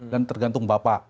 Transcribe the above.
dan tergantung bapak